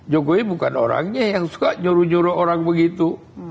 jokowi bukan orangnya yang suka nyuruh nyuruh orang begitu